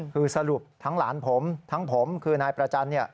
คือสรุปทั้งหลานผมทั้งผมคือนายประจันทร์